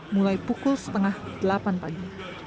mulai pukul setengah delapan pagi